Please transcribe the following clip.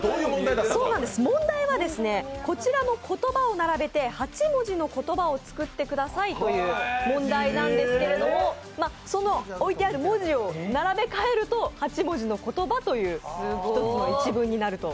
問題はこちらの言葉を並べて８文字の言葉をつくってくださいという問題なんですけどその置いてある文字を並べ替えると「はちもじのことば」という１つの一文になると。